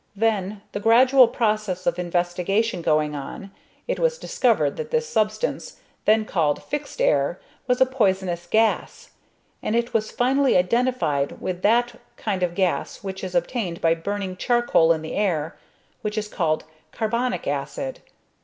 Then, the gradual process of investigation going on, it was discovered that this substance, then called "fixed air," was a poisonous gas, and it was finally identified with that kind of gas which is obtained by burning charcoal in the air, which is called "carbonic acid."